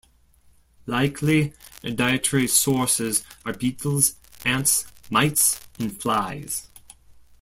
Likely dietary sources are beetles, ants, mites, and flies.